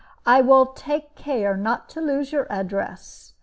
I will take care not to lose your address.